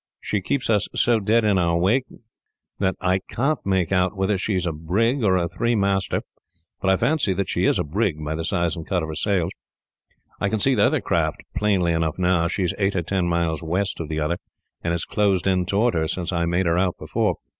"She keeps so dead in our wake that I can't make out whether she is a brig or a three master; but I fancy that she is a brig, by the size and cut of her sails. I can see the other craft plainly enough now; she is eight or ten miles west of the other, and has closed in towards her since I made her out before.